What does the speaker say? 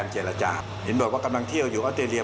เจรจาเห็นบอกว่ากำลังเที่ยวอยู่ออสเตรเลีย